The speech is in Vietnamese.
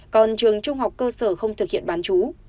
còn trường trung học cơ sở không thực hiện bán chú